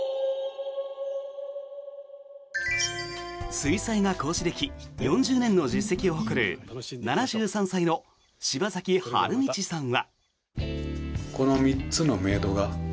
水彩画講師歴４０年の実績を誇る７３歳の柴崎春通さんは。